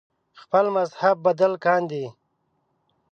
خپل مذهب بدل کاندي